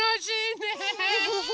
ねえ！